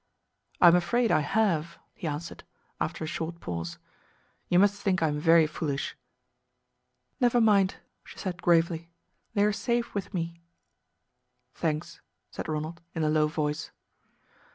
"I am afraid I have," he answered, after a short pause. "You must think I am very foolish." "Never mind," she said gravely. "They are safe with me." "Thanks," said Ronald in a low voice.